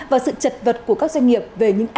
và sự chật vật của các doanh nghiệp về những cơ hội